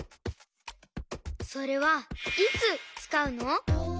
それはいつつかうの？